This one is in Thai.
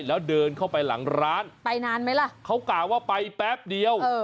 แล้วเดินเข้าไปหลังร้านไปนานไหมล่ะเขากล่าวว่าไปแป๊บเดียว